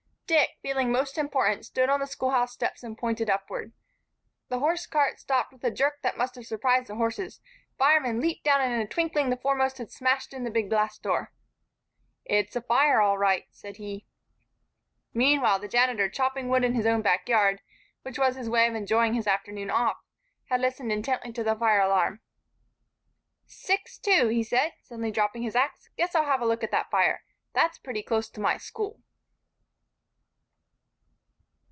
Dick, feeling most important, stood on the schoolhouse steps and pointed upward. The hosecart stopped with a jerk that must have surprised the horses, firemen leaped down and in a twinkling the foremost had smashed in the big glass door. "It's a fire all right," said he. Meanwhile the Janitor, chopping wood in his own backyard (which was his way of enjoying his afternoons off), had listened intently to the fire alarm. "Six Two," said he, suddenly dropping his ax. "Guess I'll have a look at that fire. That's pretty close to my school."